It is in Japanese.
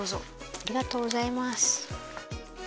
ありがとうございます。